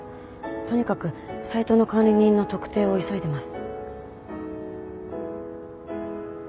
とにかくサイトの管理人の特定を急いでます。